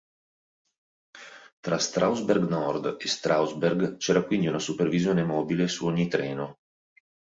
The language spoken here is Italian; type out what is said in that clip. Tra Strausberg Nord e Strausberg c'era quindi una supervisione mobile su ogni treno.